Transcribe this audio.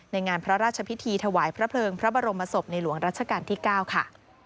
ในงานพระราชพิธีถวายพระเพลิงพระบรมศพในหลวงรัชกาลที่๙ค่ะ